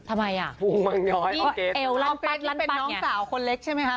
ทำไมอ่ะเอวลั่นปั้นออร์เกรชนี่เป็นน้องสาวคนเล็กใช่ไหมคะ